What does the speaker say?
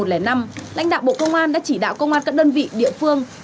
lãnh đạo bộ công an đã chỉ đạo công an các đơn vị địa phương